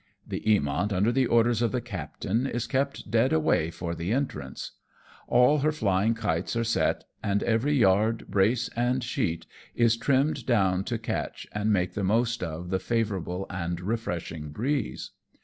The Eamont, under the orders of the captain, is kept dead away for the entrance. All her flying kites are set, and every yard, brace and sheet, is trimmed down to catch, and make the most of, the favourable and refreshing breeze.